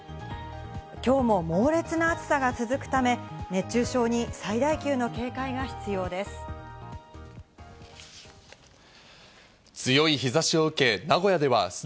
今日も猛烈な暑さが続くため、熱中症に最大級の警戒が必要です。